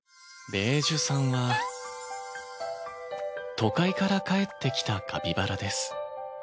ベージュさんは都会から帰ってきたカピバラです。